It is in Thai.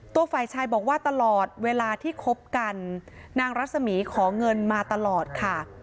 ตัวฝ่ายชายบอกว่าตลอดเวลาที่คบกันนางรัศมีร์ขอเงินมาตลอดค่ะ